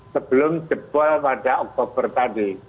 sebelum jebol pada oktober tadi